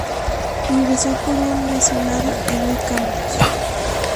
Ingresó por un lesionado Eloy Campos.